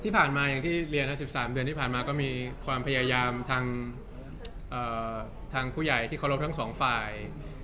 ที่ผ่านมาอย่างที่เรียน๑๓เดือนที่ผ่านมาก็มีความพยายามทางผู้ใหญ่ที่เคารพทั้งสองฝ่าย